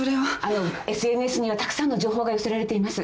ＳＮＳにはたくさんの情報が寄せられています。